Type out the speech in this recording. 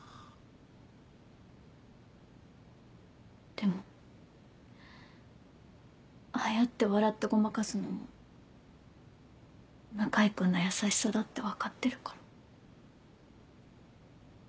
でもああやって笑ってごまかすのも向井君の優しさだって分かってるから。